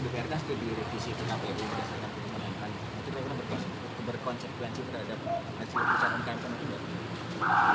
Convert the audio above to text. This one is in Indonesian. prof dprk itu di revisi dengan kpu